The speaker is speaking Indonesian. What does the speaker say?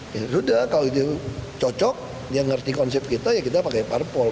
ya sudah kalau itu cocok dia ngerti konsep kita ya kita pakai parpol